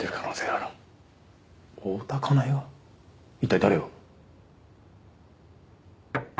一体誰を？